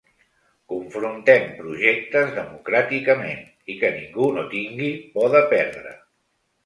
Confrontem projectes, democràticament, i que ningú no tingui por de perdre.